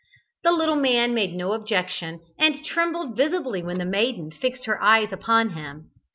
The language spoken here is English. The little man made no objection, and trembled visibly when the maiden fixed her eyes upon him.